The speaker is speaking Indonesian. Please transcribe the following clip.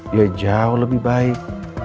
dia jauh lebih baik